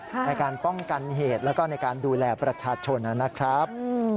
ในการป้องกันเหตุแล้วก็ในการดูแลประชาชนนะครับ